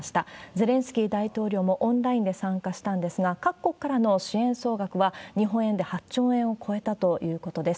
ゼレンスキー大統領もオンラインで参加したんですが、各国からの支援総額は、日本円で８兆円を超えたということです。